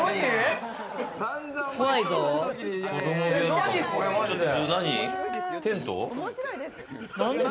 何これ、マジで。